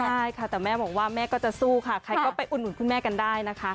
ใช่ค่ะแต่แม่บอกว่าแม่ก็จะสู้ค่ะใครก็ไปอุดหนุนคุณแม่กันได้นะคะ